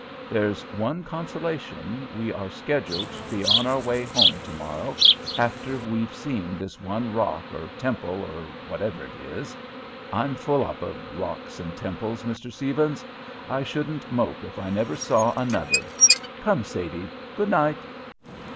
There's one consolation, we are scheduled to be on our way home to morrow, after we've seen this one rock or temple, or whatever it is. I'm full up of rocks and temples, Mr. Stephens. I shouldn't mope if I never saw another. Come, Sadie! Good night!"